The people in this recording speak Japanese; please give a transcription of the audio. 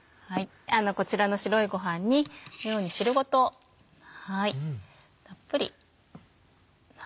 こちらの白いご飯にこのように汁ごとたっぷり。